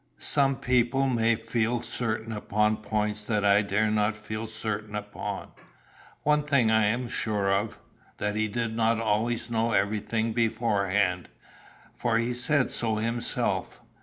Some people may feel certain upon points that I dare not feel certain upon. One thing I am sure of: that he did not always know everything beforehand, for he said so himself.